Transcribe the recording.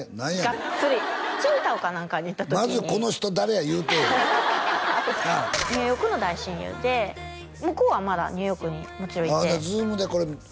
ガッツリ青島か何かに行った時にまずこの人誰や言うてえなニューヨークの大親友で向こうはまだニューヨークにもちろんいてＺｏｏｍでこれしたの？